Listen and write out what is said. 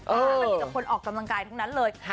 มันก็จะเป็นคนออกกำลังกายทุกนั้นเลย